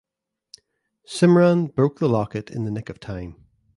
Simran broke the locket in the nick of time.